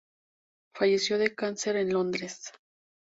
Falleció de cáncer en Londres.